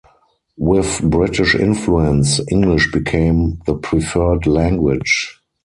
With British influence, English became the preferred language.